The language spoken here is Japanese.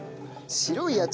白いやつ